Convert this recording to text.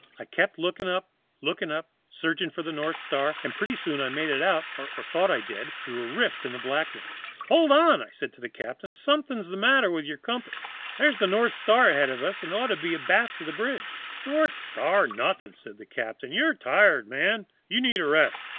I kept looking up, looking up, searching for the north star, and pretty soon I made it out, or thought I did, through a rift in the blackness. "'Hold on!' said I to the captain, 'something's the matter with your compass. There's the north star ahead of us, and it ought to be abaft the bridge.' "'North star nothing,' said the captain. 'You're tired, man; you need a rest.